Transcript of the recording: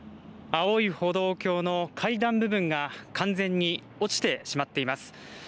青い歩道橋の階段部分が完全に落ちてしまっています。